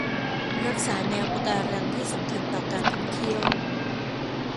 รักษาแนวปะการังที่สำคัญต่อการท่องเที่ยว